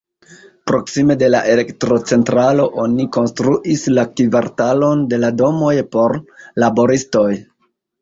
Proksime de la elektrocentralo oni konstruis la kvartalon de la domoj por laboristoj.